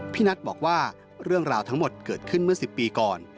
นัทบอกว่าเรื่องราวทั้งหมดเกิดขึ้นเมื่อ๑๐ปีก่อน